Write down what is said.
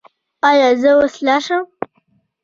ایا زه اوس لاړ شم؟